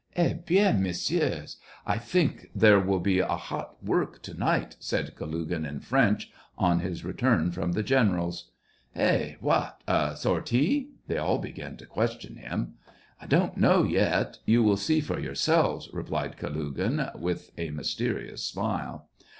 " Eh bieUy messieurs^ I think there will be hot work to night," said Kalugin in French, on his return from the general's. " Hey .? What .? A sortie t " They all began to question him. "I don't know yet — you will see for your selves," replied Kalugin, with a mysterious smile.